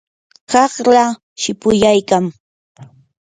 qaqlaa shipuyaykam.